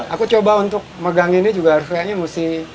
aku coba untuk megang ini juga harus kayaknya mesti